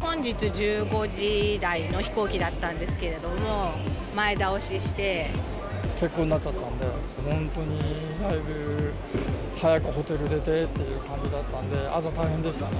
本日１５時台の飛行機だった欠航になっちゃったので、本当にだいぶ早くホテル出てっていう感じだったんで、朝、大変でしたね。